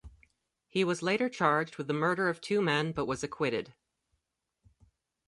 He was later charged with the murder of two men but was acquitted.